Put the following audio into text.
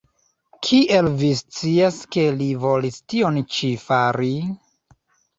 Kiel vi scias, ke li volis tion ĉi fari?